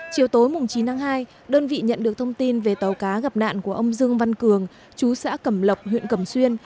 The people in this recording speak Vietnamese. chiều tối chín tháng hai đơn vị nhận được thông tin về tàu cá gặp nạn của ông dương văn cường chú xã cẩm lộc huyện cầm xuyên